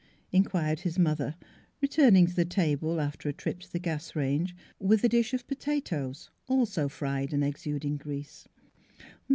inquired his mother, returning to the table after a trip to the gas range with a dish of potatoes, also fried and exuding grease.